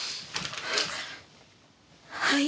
はい。